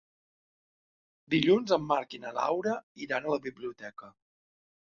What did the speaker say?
Dilluns en Marc i na Laura iran a la biblioteca.